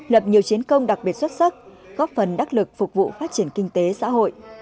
lập nhiều chiến công đặc biệt xuất sắc góp phần đắc lực phục vụ phát triển kinh tế xã hội